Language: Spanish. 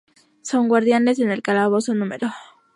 Son guardianes en el calabozo No.